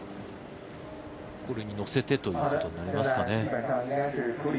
これに乗せてとなりますかね。